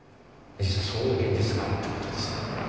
実はそういう現実があるって事ですね。